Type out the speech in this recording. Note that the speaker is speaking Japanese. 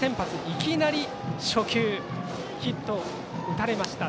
いきなり初球ヒットを打たれました。